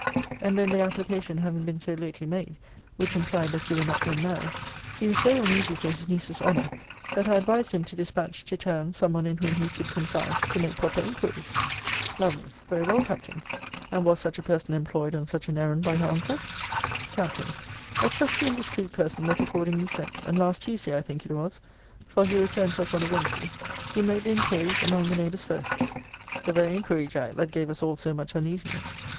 And then the application having been so lately made, which implied that you were not then married, he was so uneasy for his niece's honour, that I advised him to dispatch to town some one in whom he could confide, to make proper inquiries.' Lovel. Very well, Captain And was such a person employed on such an errand by her uncle? Capt. 'A trusty and discreet person was accordingly sent; and last Tuesday, I think it was, (for he returned to us on the Wednesday,) he made the inquiries among the neighbours first.' [The very inquiry, Jack, that gave us all so much uneasiness.